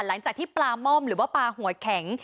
หลังจากที่ปลาม่อมหรือว่าปลาหัวแข็ง